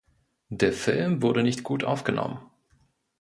Der Film wurde nicht gut aufgenommen.